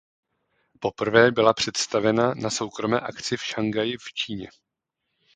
Poprvé byla představena na soukromé akci v Šanghaji v Číně.